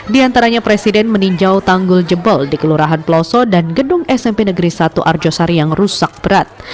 di antaranya presiden meninjau tanggul jebol di kelurahan peloso dan gedung smp negeri satu arjosari yang rusak berat